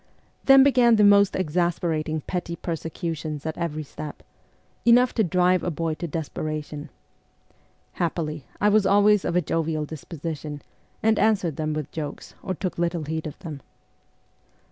Then began the most exasperating petty persecutions at every step enough to drive a boy to desperation. Happily, I was always of a jovial disposition, and answered them with jokes, or took little heed of them.